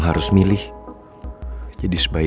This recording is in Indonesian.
gue bakal jawab apa